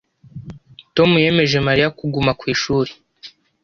Tom yemeje Mariya kuguma ku ishuri